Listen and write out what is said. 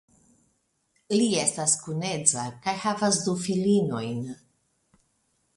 Li estas kunedza kaj havas du filinojn.